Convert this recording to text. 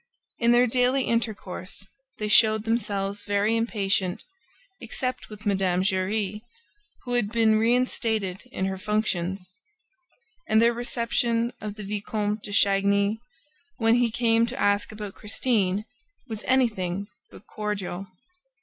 In their daily intercourse, they showed themselves very impatient, except with Mme. Giry, who had been reinstated in her functions. And their reception of the Vicomte de Chagny, when he came to ask about Christine, was anything but cordial.